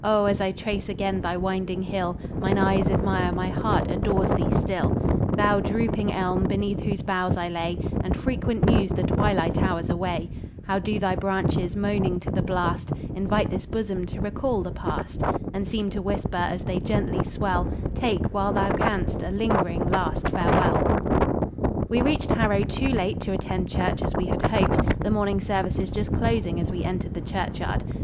as I trace again thy winding hill, Mine eyes admire, my heart adores thee still. Thou drooping elm! Beneath whose boughs I lay, And frequent mused the twilight hours away; How do thy branches, moaning to the blast, Invite this bosom to recall the past, And seem to whisper, as they gently swell, 'Take, while thou canst, a lingering, last farewell'" We reached Harrow too late to attend church as we had hoped, the morning services just closing as we entered the churchyard.